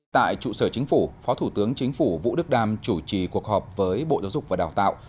tại trụ sở chính phủ phó thủ tướng chính phủ vũ đức đam chủ trì cuộc họp với bộ giáo dục và đào tạo